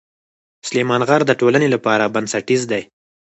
سلیمان غر د ټولنې لپاره بنسټیز دی.